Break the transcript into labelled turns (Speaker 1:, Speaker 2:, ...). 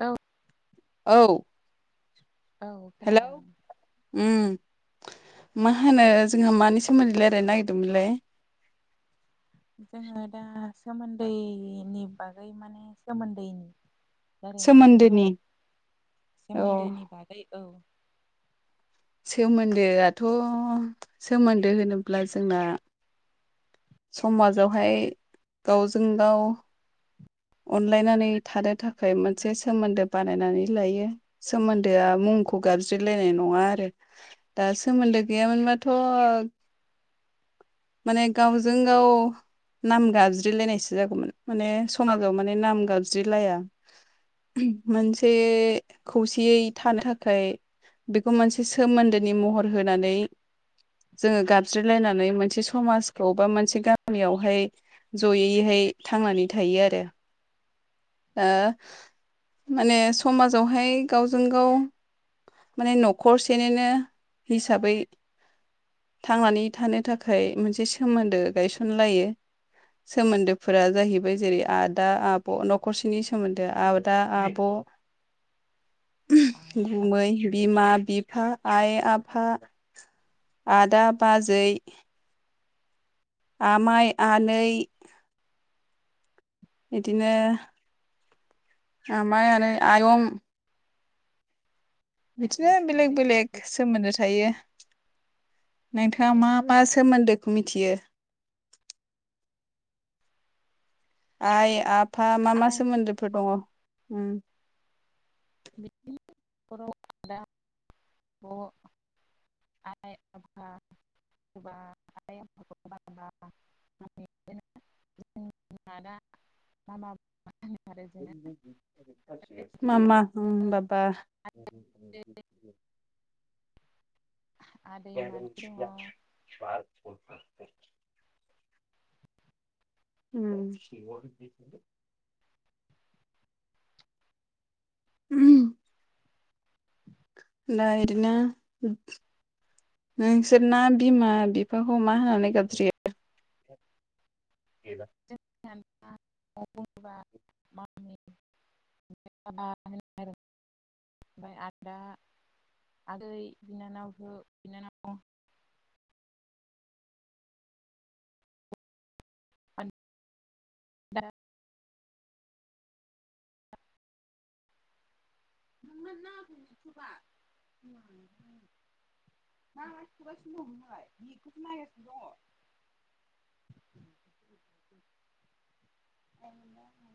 Speaker 1: औ
Speaker 2: औ
Speaker 1: औ
Speaker 2: हेलौ
Speaker 1: खोनादों,
Speaker 2: मा होनो जोंहा मानि सोमोन्दै रायजलायनो नागिरदोंमोनलाय?
Speaker 1: जोङो दा सोमोन्दैनि बागै माने सोमोन्दैनि रालायनो नागिरदोंमोन आरो
Speaker 2: अ
Speaker 1: सोमोन्दोनि बागै औ
Speaker 2: सोमोन्दोआथ' सोमोन्दो होनोब्ला जोंना, समाजावहाय गावजों गाव, अनलायनानै थानो थाखाय मोनसे सोमोन्दो बानायनानै लायो। सोमोन्दोआ मुंखौ गाबज्रिलायनाय नङा आरो दा सोमोन्दो गैयामोनबाथ' माने गाव जों गाव नाम गाबज्रिलायनायसो जागौमोन माने समाजाव माने नाम गाबज्रिलाया मोनसे खौसेयै थानो थाखाय बेखौ मोनसे सोमोन्दोनि महर होनानै, जोङो गाबज्रिलायनानै मोनसे समाजखौ, [unintelligible] मोनसे गामियावहाय जयैहाय थांनानै थायो आरो माने समाजावहाय गावजों गाव, माने न'खरसेनिनो हिसाबै, थांनानै थानो थाखाय मोनसे सोमोन्दो गायसनलायो। सोमोन्दोफोरा जाहैबाय जेरै आदा आब' न'खरसेनि सोमोन्दोआ दा आब'
Speaker 1: आइ
Speaker 2: गुबुमै बिमा बिफा आइ आफा, आदा बाजै, आमाइ आनै, बिदिनो आमाइ आनै आयं बिदिनो
Speaker 1: आदै
Speaker 2: बेलेग
Speaker 1: मादै
Speaker 2: बेलेग
Speaker 1: बेफोरखौ
Speaker 2: सोमोन्दो थायो। नोंथाङा मा मा सोमोन्दोखौ मिथियो? आइ आफा मा मा
Speaker 1: आइ
Speaker 2: सोमोन्दोफोर दङ उम,
Speaker 1: बिदिनो नखराव आदा ब आइ, आफा, एबा [unintelligible] जों आदा मामा, बुङो आरो जोङो
Speaker 2: मामा उम बाबा
Speaker 1: आदै मादै दङो।
Speaker 2: बार उम [unintelligible] नाय इदिनो नोंसोर ना बिमा बिफाखौ मा होननानै गाबज्रियो? [unintelligible]
Speaker 1: [unintelligible] [unintelligible] ओमफ्राय आदा आदै बिनानावखौ, बिनानाव, [unintelligible] [unintelligible] [unintelligible] उम